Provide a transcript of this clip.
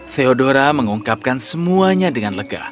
theodora mengungkapkan semuanya dengan lega